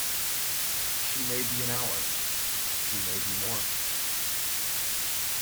She may be an hour, she may be more.